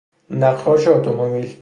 نقاش اتومبیل